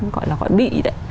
gọi là gọi bị đấy